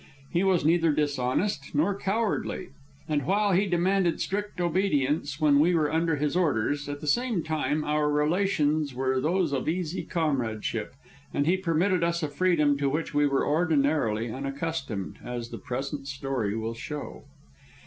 He was neither dishonest nor cowardly; and while he demanded strict obedience when we were under his orders, at the same time our relations were those of easy comradeship, and he permitted us a freedom to which we were ordinarily unaccustomed, as the present story will show.